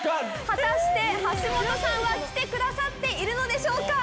果たして橋本さんは来てくださってるのでしょうか？